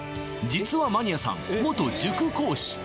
実はマニアさん元塾講師